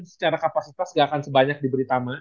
secara kapasitas gak akan sebanyak diberi tama